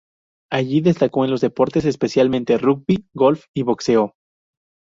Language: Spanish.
Allí destacó en los deportes, especialmente rugby, golf y boxeo.